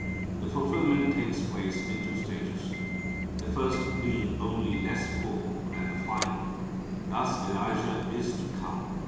The fulfilment takes place in two stages, the first being only less full than the final. Thus Elijah is to come.